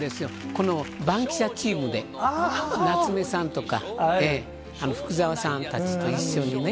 このバンキシャチームで、夏目さんとか、福澤さんたちと一緒にね。